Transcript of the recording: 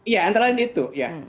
ya antara lain itu ya